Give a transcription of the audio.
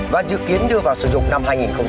và dự kiến đưa vào sử dụng năm hai nghìn một mươi năm